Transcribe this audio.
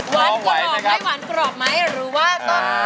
หวานกรอบไหมหวานกรอบไหมหรือว่าต้อง